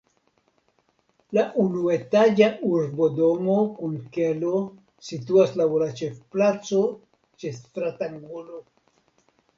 La unuetaĝa urbodomo kun kelo situas laŭ la ĉefplaco ĉe stratangulo.